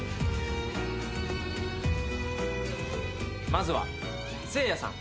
まずはせいやさん。